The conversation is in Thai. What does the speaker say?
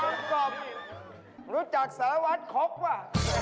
พี่กองกลับรู้จักเสริมวัดคกว่ะ